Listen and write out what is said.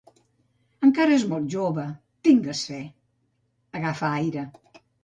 Encara és molt jove!, Tingues fe! —agafa aire—.